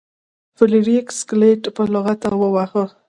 فلیریک سکلیټ په لغته وواهه.